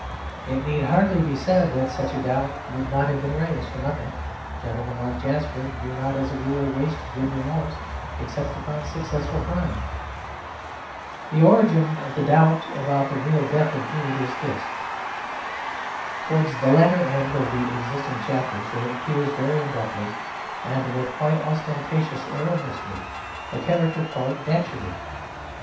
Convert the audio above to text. It need hardly be said that such a doubt would not have been raised for nothing; gentlemen like Jasper do not as a rule waste good remorse except upon successful crime. The origin of the doubt about the real death of Drood is this. Towards the latter end of the existing chapters there appears very abruptly, and with a quite ostentatious air of mystery, a character called Datchery.